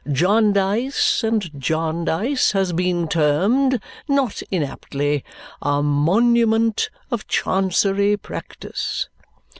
Jarndyce and Jarndyce has been termed, not inaptly, a monument of Chancery practice."